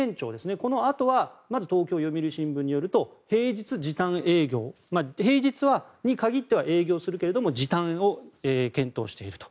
このあとは東京は読売新聞によりますと平日、時短営業平日に限っては営業するけれども時短を検討していると。